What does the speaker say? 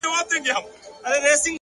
د فکر پاکوالی ژوند بدلوي،